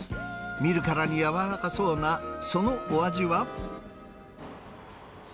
見るからに柔らかそうな、そのお味は？